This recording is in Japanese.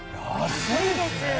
安いですね。